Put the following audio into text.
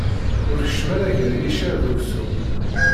Ur keččem ara gar yiccer d uksum.